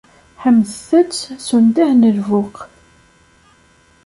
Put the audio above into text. Ḥemdet- t s undah n lbuq!